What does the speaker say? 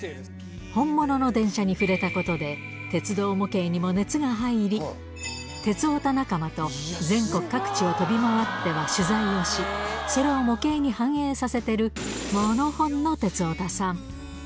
本物の電車に振れたことで、鉄道模型にも熱が入り、鉄道オタ仲間と全国各地を飛び回っては取材をし、それを模型に反映させてる、モノホンの鉄オタさん。